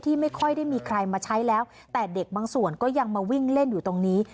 ไม่ค่อยได้มีใครมาใช้แล้วแต่เด็กบางส่วนก็ยังมาวิ่งเล่นอยู่ตรงนี้